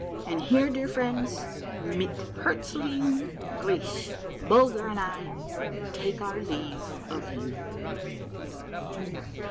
And here, dear friends, mit herzliehen Griisse, Bulger and I take our leave of you.